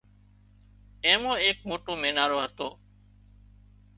اين مان ايڪ موٽو مينارو هتو